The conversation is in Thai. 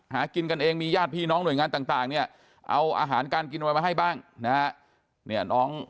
หากินกันเองมีญาติพี่น้องหน่วยงานต่างเนี่ยเอาอาหารการกินอะไรมาให้บ้างนะฮะ